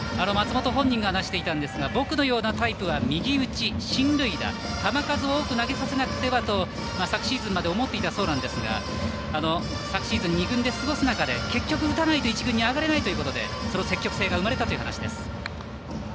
本人が話していたんですが僕のようなタイプは右打ち進塁打球数を大きく投げさせないとと思っていたそうですから昨シーズン、二軍で過ごす中で結局、打たないと一軍に上がれないということでその積極性が生まれたということです。